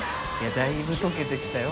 だいぶ溶けてきたよ。